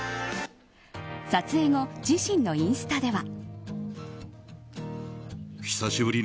撮影後、自身のインスタでは。